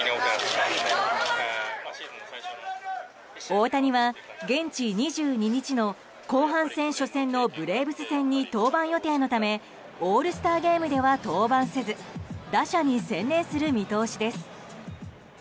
大谷は、現地２２日の後半戦初戦のブレーブス戦に登板予定のためオールスターゲームでは登板せず打者に専念する見通しです。